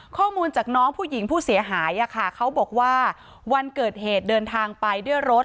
ข้อมูลจากน้องผู้หญิงผู้เสียหายเขาบอกว่าวันเกิดเหตุเดินทางไปด้วยรถ